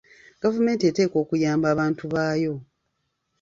Gavumenti eteekwa okuyamba abantu baayo.